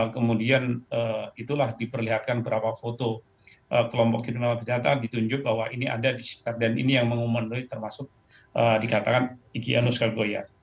kemudian itulah diperlihatkan berapa foto kelompok kriminal berjata ditunjuk bahwa ini ada disikap dan ini yang mengumumkan diri termasuk dikatakan iki anus kalkoya